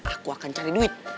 aku akan cari duit